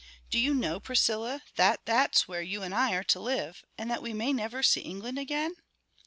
Do you know, Priscilla, that that's where you and I are to live and that we may never see England again?"